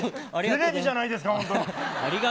テレビじゃないですか。